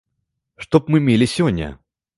Што б мы мелі сёння?